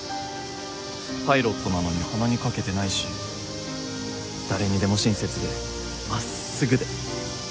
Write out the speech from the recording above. パイロットなのに鼻にかけてないし誰にでも親切で真っすぐで。